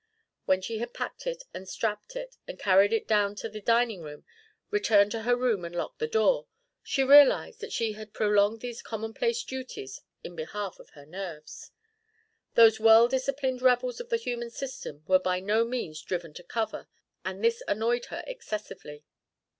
When she had packed it and strapped it and carried it down to the dining room, returned to her room and locked the door, she realised that she had prolonged these commonplace duties in behalf of her nerves. Those well disciplined rebels of the human system were by no means driven to cover, and this annoyed her excessively.